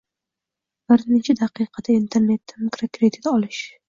- bir necha daqiqada Internetda mikrokredit olish ;